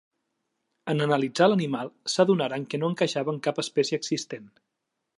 En analitzar l'animal s'adonaren que no encaixava en cap espècie existent.